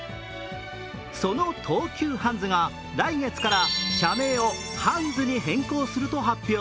その東急ハンズが来月から社名をハンズに変更すると発表。